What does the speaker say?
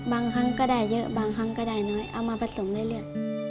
ครั้งก็ได้เยอะบางครั้งก็ได้น้อยเอามาผสมเรื่อย